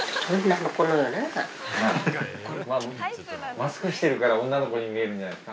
マスクしてるから女の子に見えるんじゃないですか。